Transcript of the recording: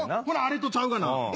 ほなあれとちゃうがな。